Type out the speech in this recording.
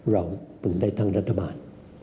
เราปรึงได้ทางรัฐบาล